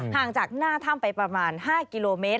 ห่างจากหน้าถ้ำไปประมาณ๕กิโลเมตร